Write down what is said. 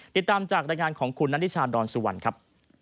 ติดตามจากรายงานของคุณนัทนิชาดอนสุวรรณครับ